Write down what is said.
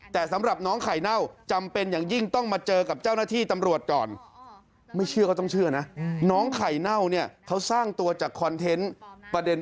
แต่สำหรับน้องไข่เน่าจำเป็นอย่างยิ่งต้องมาเจอกับเจ้าหน้าที่ตำรวจก่อน